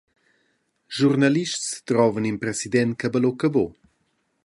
Schurnalists drovan in president che ballucca buc.